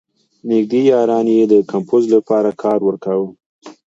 نېږدې یارانو یې د کمپوز لپاره کار ورکاوه.